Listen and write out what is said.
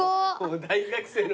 大学生の飯。